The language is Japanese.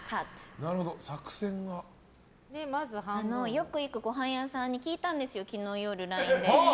よく行くごはん屋さんに聞いたんですよ、昨日の夜ＬＩＮＥで。